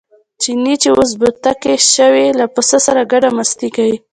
چیني چې اوس بوتکی شوی له پسه سره ګډه مستي کوي.